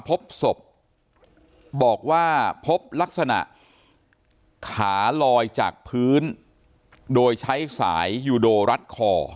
พบศพบอกว่าพบลักษณะขาลอยจากพื้นโดยใช้สายยูโดรัดคอ